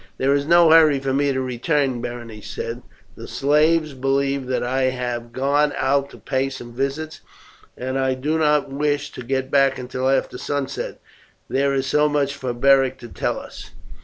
"There is no hurry for me to return," Berenice said. "The slaves believe that I have gone out to pay some visits, and I do not wish to get back until after sunset. There is so much for Beric to tell us.